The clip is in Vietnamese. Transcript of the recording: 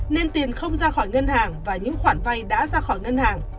nên tiền không ra khỏi ngân hàng và những khoản vay đã ra khỏi ngân hàng